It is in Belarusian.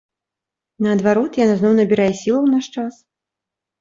Наадварот, яна зноў набірае сілу ў наш час.